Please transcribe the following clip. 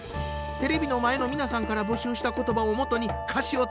テレビの前の皆さんから募集した言葉を基に歌詞を作りました。